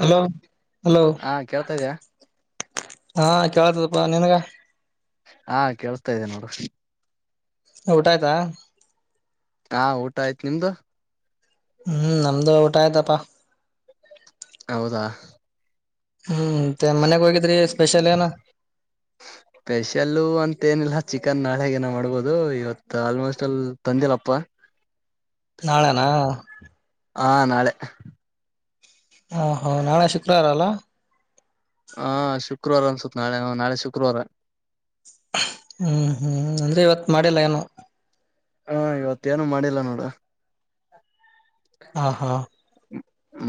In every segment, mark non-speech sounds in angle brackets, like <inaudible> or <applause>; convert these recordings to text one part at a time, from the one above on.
Hello hello ಹಾ ಕೇಳ್ತಾ ಇದ್ಯಾ ಹಾ ಕೇಳತದಪ್ಪಾ ನನ್ಗ ಹಾ ಕೇೇಳಸ್ತಾ ಇದ್ದೇನೆ ನೋಡು ರಿ ಊಟ ಆಯ್ತಾ ಹಾ ಊಟ ಆಯ್ತ್ ನಿಮ್ದು ಹ್ಮ್ ನಮ್ದು ಊಟ ಆಯ್ತಪ ಹೌದಾ ಹ್ಮ್ ಮತ್ತೆ ಮನೆಗ್ ಹೋಗಿದ್ರಿ ಸ್ಪೆಷಲ್ ಏನು ಸ್ಪೆಷಲ್ಲ ಅಂತ ಮತ್ತೇನಿಲ್ಲ ಚಿಕನ್ ನಾಳೆಗಏನ ಮಾಡ್ಬೋದು ಇವತ್ತು ಆಲ್ಮೋಸ್ಟ್ ಅಲ್ಲಿ ತಂದಿಲ್ಲಪ್ಪ ನಾಳೆಣ ಹಾ ನಾಳೆ ಹಾ ಹ ನಾಳೆ ಶುಕ್ರವಾರ ಅಲ್ಲ ಹಾ ಶುಕ್ರವಾರ ಅನ್ಸತ್ ನಾಳೆ ನಾಳೆ ಶುಕ್ರವಾರ ಹ್ಮ್ ಹ್ಮ್ ಅಂದ್ರೆ ಇವತ್ ಮಾಡಿಲ್ಲ ಏನು ಹಾ ಇವತ್ತ ಏನು ಮಾಡಿಲ್ಲ ನೋಡ ಹ ಹಾ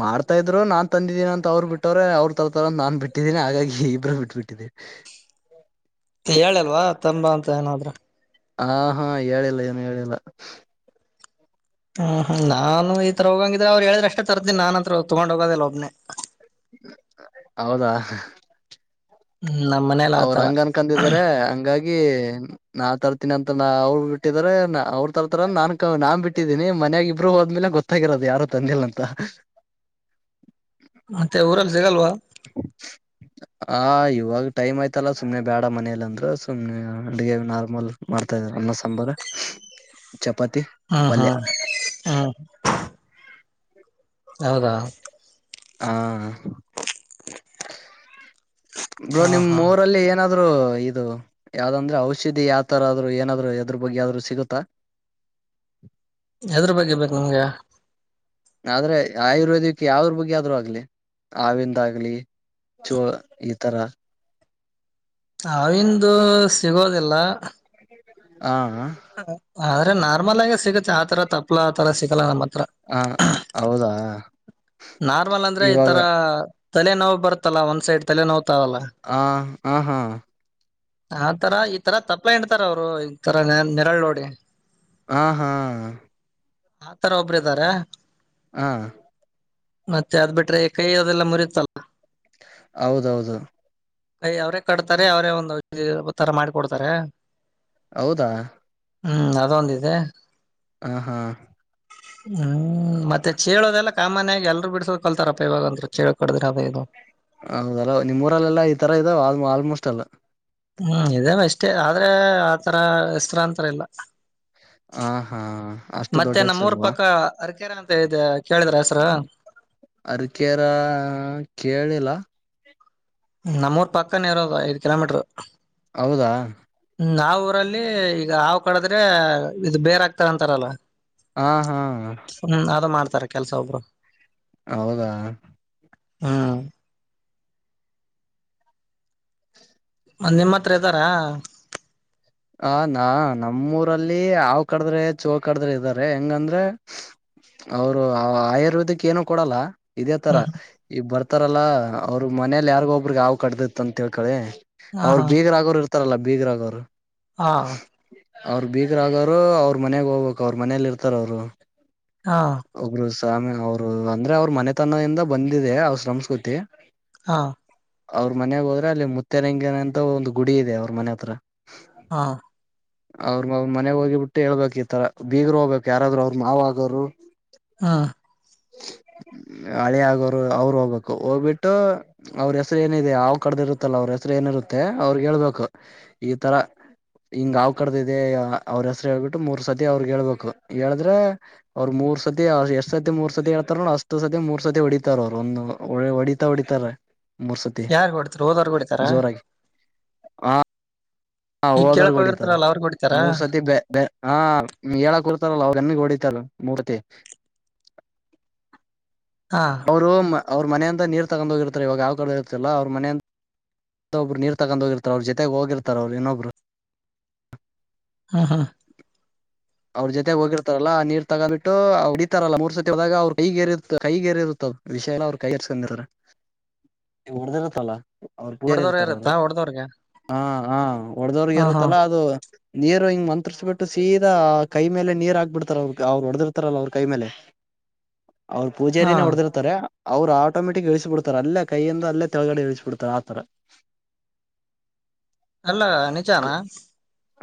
ಮಾಡ್ತಾ ಇದ್ರು ನಾನ್ ತಂದಿದ್ದೀನಿ ಅಂತ ಅವ್ರು ಬಿಟ್ಟವ್ರೆ ಅವ್ರು ತರ್ತಾರಂತ ನಾನ್ ಬಿಟ್ಟಿದ್ದೀನಿ ಹಾಗಾಗಿ ಇಬರು ಬಿಟ್ಬಿಟ್ಟೆವಿ ಹೇಳಲ್ವಾ ತಂಬ ಅಂತ ಏನಾದ್ರೂ ಹಾ ಹಾ ಹೇಳಿಲ್ಲ ಏನು ಹೇಳಿಲ್ಲ ಹ್ಮ್ ಹ್ಮ್ ನಾನು ಈ ತರ ಹೋಗಂಗಿದ್ರೆ ಅವ್ರು ಹೇಳ್ರ ಅಷ್ಟೇ ತರ್ತೀನಿ ನಾನ ಹತ್ರ ತೊಗೊಂಡ್ ಹೋಗೋದಿಲ್ಲ ಒಬ್ನನೆ ಹೌದಾ ಹ್ಮ್ ನಮ್ ಮನೇಲಿ ಅವ್ರ ಆತರ ಹಂಗ ಅನ್ಕಂದಿದ್ದಾರೆ ಹಂಗಾಗಿ ನಾನ್ ತರ್ತೀನಿ ಅಂತ ಅವ್ರು ಬಿಟ್ಟಿದ ಅವ್ರು ತರ್ತಾರ ನಾನ್ ನಾನ್ ಬಿಟ್ಟಿದೀನಿ ಮನ್ಯಾಗ ಇಬ್ರು ಹೋದ್ಮೇಲೆ ಗೊತ್ತಾಗಿರೋದು ಯಾರು ತಂದಿಲ್ಲ ಅಂತ ಮತ್ತೆ ಊರಲ್ಸಗಲ್ವಾ ಆ ಇವಾಗ ಟೈಮ್ ಆಯ್ತಲ್ಲ ಸುಮ್ನೆ ಬೇಡ ಮನಲಿ ಅಂದ್ರೆ ಸುಮ್ನೆ ಅಡ್ಗೆ ನಾರ್ಮಲ್ ಮಾಡ್ತಾ ಇದ ಅನ್ನ ಸಾಂಬಾರ ಹ ಚಪಾತಿ ಹಾ ಹಾ ಪಲ್ಯ ಹಾ ಹೌದಾ ಹಾ ಬ್ರೋ ಹಾ ಹಾ ನಿಮ್ಮ್ ಊರಲ್ಲಿ ಏನಾದ ಆದ್ರರು ಇದು ಯಾವ್ದಂದ್ರೆ ಔಷಧಿ ಯಾವ ತರ ಆದ್ರು ಏನಾದ್ರು ಎದ್ರ ಬಗ್ಗೆ ಆದ್ರು ಸಿಗುತ್ತಾ ಎದರ ಬಗ್ಗೆ ಬೇಕು ನಿಮ್ಗೆ ಆದ್ರೆ ಆಯುರ್ವೇದಿಕ್ ಯಾವದರ ಬಗ್ಗೆ ಆದರೂ ಆಗ್ಲಿ ಹಾವಿಂದ ಆಗ್ಲಿ ಚೋ ಈ ತರ ಹಾವಿಂದ ಸಿಗೋದಿಲ್ಲ ಹ ಆದ್ರೆ ನಾರ್ಮಲ್ ಆಗೆ ಸಿಗುತ್ತೆ ಆತರ ತಪ್ಪಲಾ ಆ ತರ ಸಿಗಲ್ಲ ನಮ್ಮ ಹತ್ ಹಾ ಹೌದಾ ನಾರ್ಮಲ್ ಅಂದ್ರೆ ಈ ಇವಾಗ ತರ ತಲೆ ನೋವು ಬರ್ತ್ತಲ್ಲಾ ಒಂದ್ ಸೈಡ್ ತಲೆನೋವು ಹಾ ಹ ಹಾ ಆ ತರ ಈತರ ತಪ್ಪಲ ಹಿಂಡತಾರ ಅವರು ಈ ತರ ನ ನೆರಳು ನೋಡಿ ಹಾ ಹಾ ಆ ತರ ಒಬ್ಬರು ಇದ್ದಾರೇ ಹಾ ಮತ್ತೆ ಅದ್ ಬಿಟ್ರೆ ಕೈಯ ಅದೆಲ್ಲ ಮುರಿಯತ್ತಲ್ಲ ಹೌದೌಹೌದು ಕೈ ಅವ್ರೇ ಕಡ್ತಾರೆ ಅವ್ರೇ ಒಂದು ಉತರ ಮಾಡಿ ಕೊಡ್ತಾರೆ ಹೌದಾ ಹ್ಮ್ ಅದೊಂದ ಇದೆ ಹಾ ಹಾ ಹ್ಮ ಮತ್ತೆ ಚೇಳೋದೆಲ್ಲ ಕಾಮನ್ ಆಗಿ ಎಲ್ರು ಬಿಡಸೋದ ಕಲ್ತಾರಪ್ಪ ಇವಾಗ ಅಂದರು ಚೇಳ ಕಡದ್ರ ಅದ ಇದು ಹೌದಲ್ಲ ನಿಮ್ಮೂಊರಲ್ಲೆಲ್ಲಾ ಈ ತರ ಇದಾವ ಆಲ್ಮೋಸ್ಟ್ ಎಲ್ಲ ಹ್ಮ್ ಇದೇ ಅಷ್ಟೇ ಆದ್ರೆ ಆತರ ಹೆಸ್ರಾಂತರ ಇಲ್ಲ ಹ ಹಾ ಅಷ್ಟು ದೊಡ್ಡ ಮತ್ತೆ ಹೆಸರು ನಮ್ಮೂರು ಪಕ್ಕ ಅರಕೆರೆಂತ ಇದೆ ಕೇಳಿದ್ರ ಹೆಸರು ಅರ್ಕೇರ ಕೇಳಿಲ್ಲ ನಮ್ಮೂರ್ ಪಕ್ಕನ ಇರೋದು ಐದ್ ಕಿಲೋಮೀಟರ್ ಹೌದಾ ನಾವ ಊರಲ್ಲಿ ಈಗ ಹಾವು ಕಡದ್ರೆ ಇದು ಬೇರ್ ಆಗ್ತಾರಂತಾರಲ್ಲ ಹಾ ಹಾ ತರ ಕೆಲಸ ಒಬ್ರು ಹೌದಾ ಹ್ಮ್ ನಿಮ್ಮ ಹತ್ರ ಇದ್ದಾರ ಹ ನಾ ನಮ್ಮೂರಲ್ಲಿ ಹಾವ ಕಡದ್ರೆ ಚೋಳ ಕಡ್ದ್ರೆ ಇದ್ದಾರೆ ಹೆಂಗಂದ್ರೆ ಅವರು ಆಯುರ್ವೇದಿಕ್ ಏನು ಕೊಡಲ್ಲ. ಇದೇ ತರ ಹ್ಮ್ ಈಗ ಬರ್ತಾರಲ್ಲ ಅವರು ಮನೇಲಿ ಯಾರಿಗ ಒಬ್ರಿಗೆ ಹಾವು ಕಟ್ದತ್ತ ಅಂತ ತಿಳ್ಕಳಿ ಹಾ ಅವ್ರ ಹಾ ಬೀಗರ ಆಗೋರ ಇರ್ತಾರಲ್ಲಾ ಬೀಗರಾಗೋರು ಹಾ ಅವ್ರ ಬೀಗರ ಆಗೋರು ಅವ್ರ ಮನೆಗ್ ಹೋಗ್ಬೇಕು ಅವ್ರ ಮನೇಲಿ ಇರ್ತಾರ ಅವರು ಹಾ ಒಬರು ಸ್ವಾಮಿ ಅವರು ಅಂದ್ರೆ ಅವ್ರ ಮನೆತನದಿಂದ ಬಂದಿದೆ ಅವ್ರ ಸಂಸ್ಕೃತಿ ಹಾ ಅವ್ರ ಮನೆಗ ಹೋದ್ರೆ ಅಲ್ಲಿ ಮುತ್ತೆರಂಗನ ಅಂತ ಒಂದು ಗುಡಿ ಇದೆ ಅವ್ರ ಮನೆ ಹತ್ರ ಹಾ ಅವ್ರ ಮನೆಗ್ ಹೋಗಿಬಿಟ್ಟು ಹೇಳ್ಬೇಕ್ ಈತರ ಬೀಗರು ಹೋಗ್ಬೇಕ್ ಯಾರಾದ್ರು ಅವ್ರರು ಮಾವಗೋರು ಹ ಅಳಿಯ ಆಗೋರು ಅವ್ರು ಹೋಗ್ಬೇಕು ಹೋಗ್ಬಿಟ್ಟು ಅವ್ರ ಹೆಸರು ಏನಿದೆ ಹಾವ್ ಕಡ್ದ ಇರುತ್ತಲ್ಲ ಅವ್ರ ಹೆಸರು ಏನಾಗುತ್ತೆ ಅವ್ರ ಹೇಳ್ಬೇಕು ಈ ತರ. ಹಿಂಗ ಹಾವು ಕಡದಿದೆ ಅವ್ರ ಹೆಸ್ರ ಹೋಗಬಿಟ್ಟು ಮೂರ್ ಸತಿ ಅವ್ರಗ್ ಹೇಳ್ಬೇಕು ಹೇಳದ್ರೆ ಅವ್ರ ಮೂರ್ ಮೂರ್ ಸತಿ ಎಷ್ಟ್ ಸತಿ ಮೂರ್ ಸತಿ ಹೇಳ್ತಾರ ಅಷ್ಟ್ ಸತಿ ಮೂರ್ ಸತಿ ಹೊಡಿತಾರ ಅವರು ಒಂದು ಹೊಡಿತಾ ಹೊಡಿತಾರ. ಮೂರ್ಸತಿ ಯಾರ್ಗ್ ಹೊಡಿತಾರ ಹೋದವ್ರಗ್ ಹೊಡಿತಾರ ಜೋರಾಗಿ ಆ ಹಾ ಈಗ ಹೋದರ್ ಕೇಳಕ್ ಹೊಡಿತಾರೆ ಹೋಗಿರ್ತಾರಲ್ಲ ಅವ್ರಗ್ ಹೊಡಿತಾರ ಮೂರ್ ಸರ್ತಿ ಬೀ ಬೀ ಹ ಹೇಳಕ್ ಅವನ್ ಓಡಿತಾರ ಮೂರತಿ. ಹಾ ಅವರು ಮ ಅವ್ರ ಮನೆಯಿಂದ ನೀರು ತಗೊಂಡ ಹೋಗಿರ್ತಾರೆ ಇವಾಗ ಯಾವ ಕಡೆ ಇರುತ್ತಲ್ಲ ಅವ್ರ ಮನೆಯ ಇತ್ತೊಬ್ರು ನೀರು ತಗೊಂಡ್ ಹೋಗಿರ್ತಾರ ಅವ್ರ ಜೊತೆಗೆ ಹೋಗಿರ್ತಾರ ಅವ್ರು ಇನ್ನೊಬ್ರು. ಹಾ ಹಾ. ಅವ್ರ ಜೊತೆ ಹೋಗಿರ್ತಾರಲ್ಲ ಆ ನೀರ್ ತಗ್ಬಿಟ್ಟು ಹ ಹೊಡತಾರಲ್ಲ ಮೂರ್ ಸರ್ತಿ ಹೋದಾಗ ಅವ್ರರು ಕೈಗೆೇರಿ ಇತ್ತ ಕೈಗೇರಿ ಇರುತ್ತ. ವಿಷಯ ಎಲ್ಲ ಅವ್ರ ಕೈ ಹರ್ಕೊಂಡಿರ <inaudible> ಹೊಡ್ದಿರತ್ತಲ್ಲ ಅವ್ರ ಪೂಜರ್ ಹೊಡ್ದವ್ರ ಇರ್ತಾರ ಅವರು ಇರತ್ತಾ ಹೊಡ್ದವ್ರಗೆ ಹಾ. ಹಾ ಹೊಡದವ್ರಗೆ ಹಾ ಹಾ ಏರುತ್ತಲ್ಲಾ ಅದು ನೀರು ಹಿಂಗ ಮಂತ್ರಸ ಬಿಟ್ಟು ಸೀ ದಾ ಕೈ ಮೇಲೆ ನೀರ್ ಹಾಕ್ಬಿಡ್ತಾರ ಅವ್ರ ಅವ್ರು ಹೊಡೆದಿರ್ತಾರಲ್ಲ ಅವ್ರ ಕೈ ಮೇಲೆ. ಅವ್ರ ಹಾ ಪೂಜಾರಿನೇ ಹೊಡದಿರ್ತಾರ. ಅವ್ರು ಆಟೋಮೆಟಿಕ್ ಇಳಿಸಿಬಿಡ್ತಾರ ಅಲ್ಲೇ ಕೈಯಿಂದ ಅಲ್ಲೇ ತಳಗಡೆ ಇಳಿಸಿಬಿಡ್ತಾರ ಆತರ. ಅಲ್ಲ ನಿಜಾನ.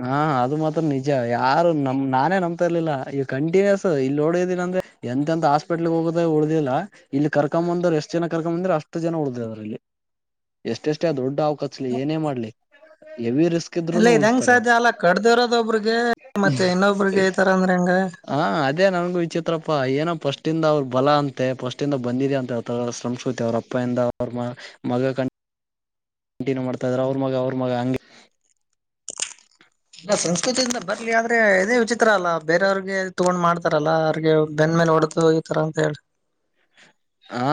ಹಾ ಅದು ಮಾತ್ರ ನಿಜ. ಯಾರು ನಮ್ ನಾನೇ ನಂಬ್ತ ಇರ್ಲಿಲ್ಲ ಈಗ ಕಂಟಿನ್ಯೂಸ್ ಇಲ್ಲಿೋಡಿದ್ದೀಲ್ಲ ಅಂದ್ರೆ ಎಂತ ಎಂತ ಹಾಸ್ಪಿಟ್ಲ್ಗ್ ಹೋಗುದ ಹುಳದಿಲ್ಲ ಇಲ್ಲಿ ಕರ್ಕೊ್ ಬಂದ್ರರು ಎಷ್ಟ್ ಜನ ಕರ್ಕೊ್ ಬಂದ್ರೆ ಅಷ್ಟ್ ಜನ ಉಡ್ದ ಅದ್ರ ಇಲ್ಲಿ. ಎಷ್ಟೆಷ್ಟೇ ದೊಡ್ಡ ಹಾವ ಕಕ್ಚ್ಲಿ ಏನೇ ಮಾಡ್ಲಿ ಯವಿ ಅಲ್ಲ ಇದಂಗ್ ಸಾಧ್ಯ ಅಲ ಕಡ್ದ ಇರೋದ ಒಬ್ರಿಗೆ, ಮತ್ತೆ ಇನ್ನೊಬ್ರಿಗೆ ಈ ತರ ಅಂದ್ರೆ ಹೆಂಗ ಹ ಅದೇ ನನ್ಗೂ ವಿಚಿತ್ರಪ್ಪಾ ಏನಪ್ಪ ಫಸ್ಟಿಂದ ಅವ್ರ ಬಲ ಅಂತೆ ಫಸ್ಟಿಂದ ಬಂದಿದೆ ಅಂತಥ ಶ್ರಮಸ್ಕೃತಿ ಅವ್ರ ಅಪ್ಪಾಯಿಂದ ಅವ್ರ ಮ ಮಗ ಕಂಡು ಕಂಟಿನ್ಯೂ ಮಾಡ್ತಾ ಇದ್ರ ಅವ್ರ ಮಗ ಅವ್ರ ಮಗ ಹಂಗೆ, ಇಲ್ಲ ಸಂಸ್ಕೃತಿಯಿಂದ ಬರ್ಲಿ ಆದ್ರೆ ಇದೇ ವಿಚಿತ್ರ ಅಲ್ಲ ಬೇರವ್ರಿಗೆ ತೊಗೊಂಡ್ ಮಾಡ್ತಾರಲ್ಲಾ ಅವ್ರಿಗೆ ಬೆ ನೋಡ್ತ ಹೋಗಿತರಾ ಅಂತ ಹೇಳಿ. <inaudible> ಹಾ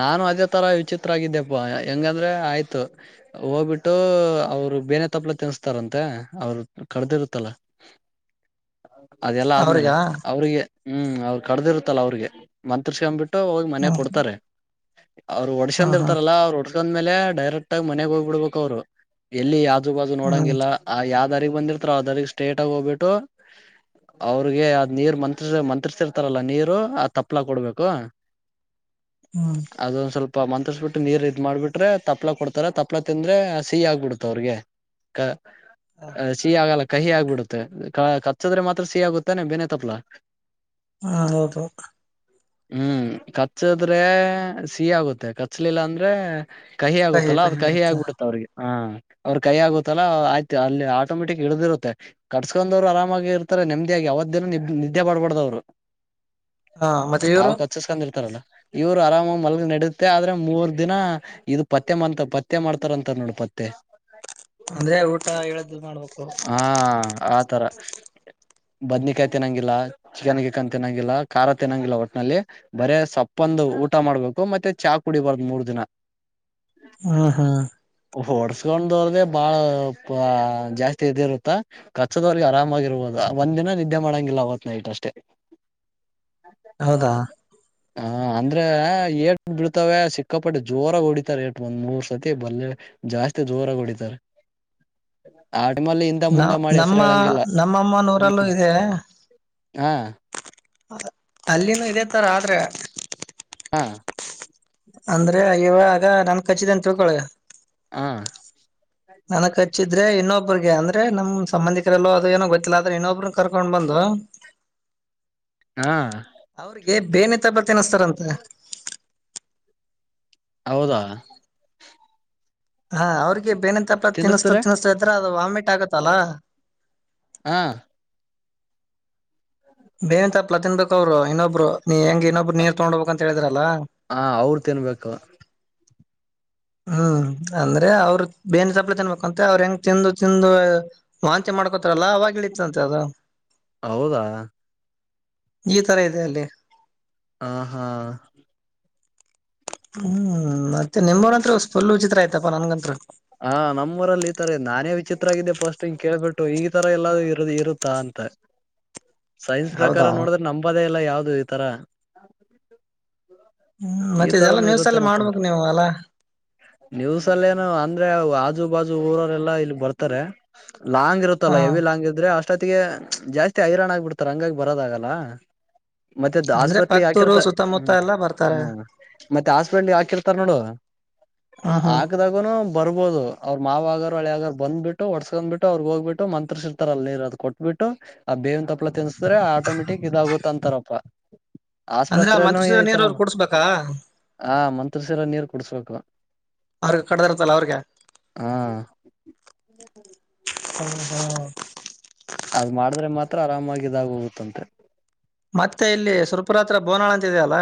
ನಾನು ಅದೇ ತರ ವಿಚಿತ್ರ ಆಗಿದ್ದ್ಯಪ್ಪಾ ಹೆಂಗಂದ್ರೆ ಆಯ್ತು ಹೋಗ್ಬಿಟ್ಟು. ಅವ್ರು ಬೇನೆ ತಪ್ಲ ತಿನ್ಸತಾರಂತೆ ಅವ್ರು ಕಡ್ದಿರುತ್ತಲ್ಲ. <inaudible> ಅದೆಲ್ಲಾ ಅವ್ರಿಗ ಆದ್ಮೇಲೆ ಅವ್ರಿಗೆ ಹ್ಮ್ ಅವರು ಕಡ್ದಿರುತ್ತಲ್ಲ ಅವ್ರಿಗೆ ಮಂತ್ಸ್ಕೊಂಡ್ಬಿಟ್ಟು, ಮನೆಗೆ ಹ್ಮ್ ಕೊಡ್ತಾರೆ. ಅವ್ರು ಒಡಸಂದ್ ಹ್ಮ್ ಇರ್ತಾರಲ್ಲ ಅವ್ರು ಒಡ್ಕಂದ ಮೇಲೆ ಡೈರೆಕ್ಟ್ ಆಗ ಮನೆಗ್ ಹೋಗ್ಬ ಬಿಡ್ಬೇಕು ಅವ್ರು ಎಲ್ಲಿ ಯಾವ ಆಜು ಬಾಜು ಹ್ಮ್ ಹ್ಮ್ ನೋಡಂಗಿಲ್ಲ ಆ ಯಾವ ದಾರಿಗಿ ಬಂದಿರ್ತೋ ಅವ ದಾರಿಗಿ ಸ್ಟೇಟ್ ಆಗಿ ಹೋಗ್ಬಿಟ್ಟು, ಅವ್ರಿಗೆ ಅದ್ ನೀರು ಮಂತ್ರಸ ಮಂತ್ರಸರ್ತಾರಲ್ಲ ನೀರು ಆ ತಪ್ಲ ಕೊಡ್ಬೇಕು. ಹ್ಮ್ ಅದೊಂದು ಸ್ವಲ್ಪ. ಮಂತ್ರಿಸ್ಬಿಟ್ಟು ನೀರು ಇದ್ ಮಾಡ್ಬಿಟ್ರೆ ತಪ್ಪಲಾ ಕೊಡ್ತಾರ ತಪ್ಪಪ್ಲಾ ತಿಂದ್ರೆ ಸಿ ಆಗ್ಬಿಡತೆ ಅವ್ರಿಗೆ. ಸಿಹಿ ಆಗಲ್ಲ, ಕಹಿ ಆಗ್ಬಿಡುತ್ತೆ ಕಚ್ಚದ್ರೆ ಮಾತ್ರ ಸಿಹಿ ಆಗುತ್ತಾನೆ ಬೇನೆ ತಪ್ಲಾ. ಹ ಹೌದು. ಹ್ಮ್ ಕಚ್ಚದ್ರೆ ಸಿಹಿ ಆಗುತ್ತೆ. ಕಚ್ಲಿಲ್ಲ ಅಂದ್ರೆ, ಕಹಿ ಆಗುತ್ತಲ್ಲಾ ಅದ್ ಕಹಿ ಆಗ್ಬಿಡುತ್ತ ಅವ್ರಿಗೆ. ಹ <inaudible> ಅವ್ರ ಕೈ ಆಗುತ್ತಲ್ಲ ಆಯ್ತು ಅಲ್ಲಿ ಆಟೋಮೆಟಿಕ್ ಇಡ್ದಿರುತ್ತೆ ಕಟ್ಸ್ಕೊಂಡ್ವ್ರು ಆರಾಮಾಗಿ ಇರ್ತಾರೆ. ನೆಮ್ಮದಿಯಾಗಿ, ಅವತ್ ದಿನ ನಿ ನಿದ್ದೆ ಮಾಡ್ಬಾರ್ದವ್ರು ಹಾ ಮತ್ತೆ ಇವ್ರು ಹಾವು ಕಚ್ಚಸ್ಕೊಂಡ ಇರ್ತಾರಲ್ಲ. ಇವ್ರು ಆರಾಮಾಗಿ ಮಲ್ಗ ನಡುತ್ತೆ ಆದ್ರೆ ಮೂರ್ ದಿನ ಇದು ಪತ್ತೆ ಮಾಡ್ತ ಪತ್ತೆ ಮಾಡ್ತಾರ ಅಂತಾರ ನೋಡ್ ಪತ್ತೆ, <inaudible> ಅಂದ್ರೆ ಊಟ ಹೇಳಿದ್ದು ಮಾಡ್ಬೇಕು. ತರ ಬದ್ನಕಾಯಿ ತಿನ್ನಂಗಿಲ್ಲ ಚಿಕನ್ ಗಿಕನ್ ತಿನ್ನಂಗಿಲ್ಲ ಖಾರ ತಿನ್ನಂಗಿಲ್ಲ ಒಟ್ನಲ್ಲಿ ಬರೇ ಸೊಪ್ಪ ಪ್ಪಂದು ಊಟ ಮಾಡ್ಬೇಕು ಮತ್ತೆ ಚಾ ಕುಡಿಬಾರ್ದ ಮೂರ್ ದಿನ ಹ್ಮ ಹಾ ಹೊಡಸ್ಕೊಂಡವ್ರ್ದೇ ಬಾಳ ಜಾಸ್ತಿ ಇದಿ ಇರುತ್ತಾ ಕಚ್ಚದವ್ರಿಗೆ ಆರಾಮಾಗಿರ್ಬಹದ ಒಂದ್ ದಿನ ನಿದ್ದೆ ಮಾಡಂಗಿಲ್ಲ ಅವತ ನೈಟ್ ಅಷ್ಟೇ ಹೌದಾ ಹ ಅಂದ್ರೆ ಏಟ್ ಬಿಡ್ತಾವ ಸಿಕ್ಕಾಪಟ್ಟೆ ಜೋರಾಗ ಹೊಡಿತಾರೆ ಏಟ್ ಒಂದ್ ಮೂರ್ ಸತಿ ಬಲ್ಲ ಜಾಸ್ತಿ ಜೋರ ಹೊಡಿತಾರೆ ಆ ನಿಮ್ಮಲ್ಲಿ ಹಿಂದ ಮುಂದ ನಾವ್ ಮಾಡಿ ನಮ್ಮ ಹೆಸರು ಹೇಳಂಗಿಲ್ಲ ನಮ್ಮಮ್ಮನೂರಲ್ಲೂ ಹ್ಮ್ ಹಾ ಅಲ್ಲಿನ ಇದೆ ತರ ಆದ್ರೆ ಹಾ ಅಂದ್ರೆ ಇವಾಗ ನನ್ ಕಚ್ಚಿದಂತ ತಿಳ್ಕೊಳ್ಳಿ ಹಾ ನನಕ್ ಹಚ್ಚಿದ್ರೆ ಇನ್ನೊಬ್ಬ್ರಗೆ ಅಂದ್ರೆ ನಮ ಸಂಬಧಿಕರೆಲ್ಲೋ ಅದು ಏನೋ ಗೊತ್ತಿಲ್ಲ್ರ ಇನ್ನೊಬ್ನ್ ಕರ್ಕೊಂಡ್ ಬಂದು ಹಾ ಹಾ ಏನ್ ಬೇನ್ ತಪ್ಲಾ ತಿನ್ನುಸ್ತಾರಂತ ಅಂತ ಹೌದಾ ಹಾ ಅವ್ರಿಗೆ ಬೇನಂತಪ್ಪ ತಿನ್ಸಸ್ತಾ ತಿನ್ನಿಸ್ತಾರೆ ತಿನ್ಸ್ತಾ ಇದ್ರೆ ಅದು ವಾಮಿಟ್ ಆಗತ್ತಲ್ಲ ಹಾ ಬೇಂತಪ್ಲಾ ತಿನ್ಬೇಕ ಅವರು ಇನ್ನೊಬ್ರು ನೀ ಹೆಂಗ ಇನ್ನೊಬ್ರು ನೀರ್ ತಗೊಂಡಬೇಕಂತ ಹೇಳಿದ್ರಲ್ಲ ಹ ಅವ್ರು ತಿನ್ಬೇಕು ಹ್ಮ್ ಅಂದ್ರೆ ಅವ್ರ ಬೇನ್ ಸಪ್ಲೈ ತನ್ಬೇಕಂತ ಅವ್ರ ಹೆಂಗ್ ತಿಂದು ತಿಂದು ವಾಂತಿ ಮಾಡಿ ಮಾಡ್ಕೋತಾರಲ್ಲ ಅವಾಗಳೀತ ಅಂತೆ ಅದು ಹೌದಾ. ಇತರ ಇದೆ ಅಲ್ಲೇ ಹ ಹಾ ಹ್ಮ್ ಮತ್ತೆ ನಿಮವನಂತ್ರ ಫುಲ್ ಚಿತ್ರ ಆಯ್ತಪ್ಪಾ ನನ್ಗಂತ್ರ ಹ ನಮ್ಮೂರಲ್ಲಿ ಈತಾರೆ ನಾನೇ ವಿಚಿತ್ರ ಆಗಿದ್ದೆ ಪಫೋಸ್ಟಗ್ ಕೇಳ್ಬಿಟ್ಟು ಈ ತರ ಎಲ್ಲೂ ಇರ ಇರುತ್ತಾ ಅಂತ ತ <unintelligible> ಸೈನ್ಸ್ ಪ್ರಕಾರ ಹೌದಾ ನೋಡಿದ್ರೆ ನಂಬದೇ ಇಲ್ಲ ಯಾವ್ದು ಈ ತರ ಹ್ಮ್ ಈ ಮತ್ತೆ ಇದೆಲ್ಲಾ ತರನು ನ್ಯೂಸ್ ಎಲ್ಲ ಇರುತ್ತೇನಪ್ಪಾ ಅಂತ ಮಾಡ್ಬೇಕು ನೀವು ಅಲ್ಲಾ ನೀವುಸಲ್ಲೇನು ಅಂದ ಆಜು ಬಾಜು ಊರರೆಲ್ಲಾ ಇಲ್ಲಿ ಬರ್ತಾರೆ ಲಾಂಗ್ ಇರುತ್ತಲ್ಲ ಹಾ ಎವಿ ಲಾಂಗ್ ಇದ್ರೆ ಅಷ್ಟ ಅಷ್ಟೊತ್ತಿಗೆ ಜಾಸ್ತಿ ಹೈರಾಣ್ ಆಗ್ಬಿಡ್ತಾರೆ ಹಂಗಾಗಿ ಬರೋದಗಲ್ಲ ಮತ್ತೆದ ಅಂದ್ರೆ ಹಾಸ್ಪೆಟ್ಲ್ಗ್ ಪಕ್ತೂರು ಹಾಕಿರ್ತ ಸುತ್ತಮುತ್ತ ಹ್ಮ್ ಎಲ್ಲಾ ಬರ್ತಾರೆ ಹ್ಮ ಮತ್ತೆ ಹಾಸ್ಪಿಟ್ಲ್ ಹಾಕಿರ್ತಾರ ನೋಡು ಹ್ಮ್ ಹ್ಮ್ ಆಗದಾಗನು ಬರ್ಬೋದು ಅವ್ರು ಮಾವ ಆಗರ ಹೊಳಿಗ ಬಂದಬ ಬಿಟ್ಟು ಹೊಡ್ಸ್ಕೊಂಡ್ ಬಿಟ್ಟು ಅವ್ರಗ್ ಹೋಗ್ಬಿಟ್ಟು ಮಂತ್ರರ್ ಇರ್ತ ಅಲ್ಲ ಇರ ಅದು ಕೊಟ್ಬಿಟ್ಟು ಬಿ ಆ ಬೇವನ್ ತಪ್ಪಪ್ಲ ತಿನ್ಸಿದ್ರೆ ಆಟೋಮೆಟಿಕ್ ಇದಾಗುತ್ತ ಅಂತಾರಪ್ಪ ಅಂದ್ರೆ ಆಸ್ಪತ್ರರೆಲ್ಲೂ ಮಂತ್ರಿಸಿದ ನೀರ್ ಅವ್ರು ಏತಾರಮ್ಮ ಕುಡ್ಸ್ಬೇಕಾ ಆ ಮಂತ್ರಸಲ್ಲ ನೀರ್ ಕುಡ್ಸ್ಬೇಕು ಹಾ <unintelligible> ಅದ್ ಮಾಡಿದ್ರೆ ಮಾತ್ರ ಆರಾಮಾಗಿ ಇದಾಗೋಗುತ್ತಂತೆ ಮತ್ತೆ ಇಲ್ಲಿ ಸುರಪುರ್ ಅತ್ರ ಬೋನಾಳ ಅಂತ ಇದೆಯಲ್ಲ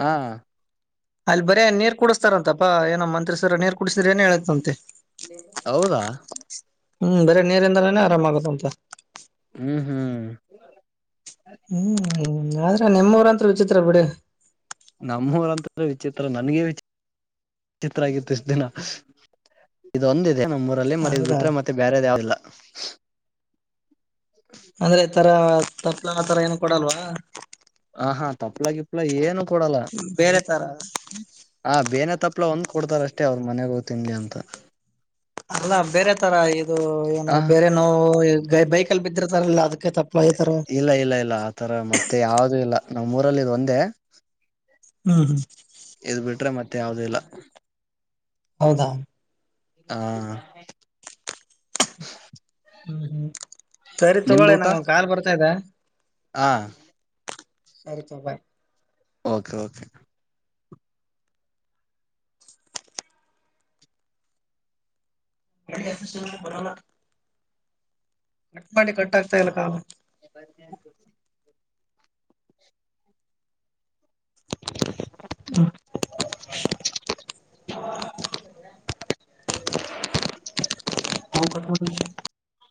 ಹಾ ಅಲ್ಲಿ ಬರೇ ನೀರ್ ಕುಡಸ್ತಾರಂತಪ್ಪಾ ಏನ ಮಂತ್ರಿಸರ ನೀರ್ ಕುಡಿಸಸಿದ್ರೆ ಏನ್ ಹೇಳತಂತೆ ಹೌದಾ ಹ್ಮ್ ಬರೆ ನೀರಿಂದಲನೆ ಆರಾಮ ಆಗುತ್ತ ಅಂತೆ ಹ್ಮ್ ಹ್ಮ್ ಹ್ಮ್ ಆದ್ರೆ ನಿಮ್ಮವ್ರಂತ ವಿಚಿತ್ರ ಬಿಡಿ ನಮ್ಮೂರಂತ್ರ ವಿಚಿತ್ರ ನನಗೇ ವಿಚಿತ್ರ ವಿ ಚಿತ್ರ ಆಗತ್ತುಷ್ಟ ದಿನ ಇದೊಂದು ನಮ್ಮ್ ಊರಲ್ಲಿ ಮತ್ತೆ ಇದ್ ಹೌದಾ ಬಿಟ್ರೆ ಮತ್ತೆ ಬೇರೆದ ಯಾವ್ದಿಲ್ಲ ಅಂದ್ರೆ ಈ ತರ ತಪ್ಲ ತರ ಏನು ಕೊಡಲ್ವಾ ಹ ಹಾ ತಪ್ಲ ಕಿಪ್ಲ ಏನು ಕೊಡಲ್ಲ ಬೇರೆ ತರ ಹ ಬೇನೆ ತಪ್ಲ ಒಂದ್ ಕೊಡ್ತಾರಷ್ಟೇ ಅವ್ರ ಮನೆಗ ಹೋಗ್ ತಿನ್ಲಿ ಅಂತ ಅಲ್ಲ ಬೇರೆ ತರ ಇದು ಏನು ಹ ಬೇರೆ ನೋವು ಬೈಕಲ್ಲಿ ಬಿದ್ದಿರ್ತಾರಲ್ಲ ಅದ ಇಲ್ಲ ಇಲ್ಲ ಇಲ್ಲ ಆತರ ಮತ್ತೆ ಯಾವ್ದು ಇಲ್ಲ ನಮ್ಮ್ ಊರಲ್ಲಿ ಇದ ಒಂದೇ ಹ್ಮ್ ಹ್ಮ್ ಇದು ಬಿಟ್ರೆ ಮತ್ತೆ ಯಾವದ ಇಲ್ಲ ಹೌದಾ.. ಹಾ. ಸರಿ ತಗೋಳೆ ಊಟ ನಂಗ ಒಂದು ಕಾಲ್ ಬರ್ತಾ ಇದೆ ಹ ಸರಿ ತಬಾಯ್ ಓಕೆ ಓಕೆ ಗ ಬರಲ್ಲ.. ಕಟ್ ಮಾಡಿ ಕಟ್ ಆಗ್ತಾ ಇಲ್ಲ ಕಾಲ ಬ ಹ <unintelligible> ಕ..